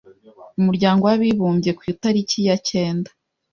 ’Umuryango w’Abibumbye ku tariki ya cyenda.